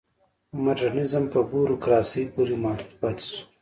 مډرنیزم په بوروکراسۍ پورې محدود پاتې شو.